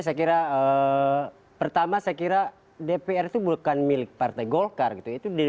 saya kira pertama saya kira dpr itu bukan milik partai golkar gitu ya